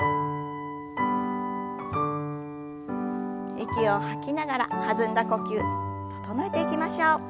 息を吐きながら弾んだ呼吸整えていきましょう。